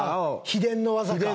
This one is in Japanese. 秘伝の技か。